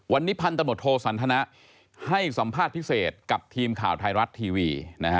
วันนี้พันธมตโทสันทนะให้สัมภาษณ์พิเศษกับทีมข่าวไทยรัฐทีวี